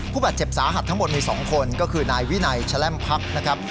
ผู้บาดเจ็บสาหัสทั้งหมดมี๒คนก็คือนายวินัยแชล่มพักนะครับ